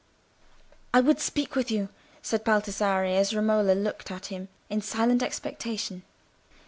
"I would speak with you," said Baldassarre, as Romola looked at him in silent expectation.